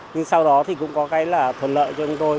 nhưng sau đó thì cũng có cái là thuận lợi cho chúng tôi